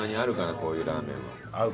こういうラーメンは。